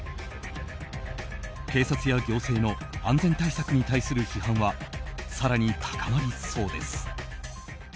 警察や行政の安全対策に対する批判は更に高まりそうです。